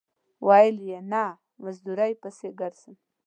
ویل یې نه مزدورۍ پسې ځم.